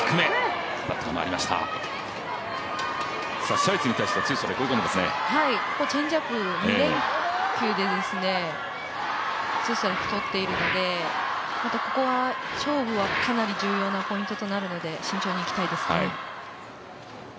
謝悦に対してはツーストライク、追い込んでますねチェンジアップ、２連続でツーストライクとっているのでここは勝負はかなり重要なポイントとなるので慎重にいきたいですね。